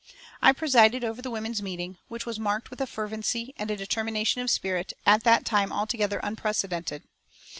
I presided over the women's meeting, which was marked with a fervency and a determination of spirit at that time altogether unprecedented.